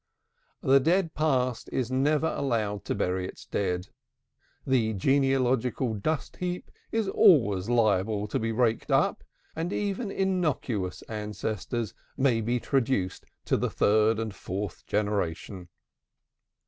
The dead past is never allowed to bury its dead; the genealogical dust heap is always liable to be raked up, and even innocuous ancestors may be traduced to the third and fourth generation.